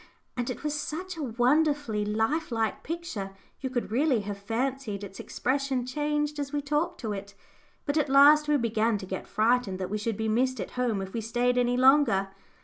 And it was such a wonderfully life like picture you could really have fancied its expression changed as we talked to it. But at last we began to get frightened that we should be missed at home if we stayed any longer.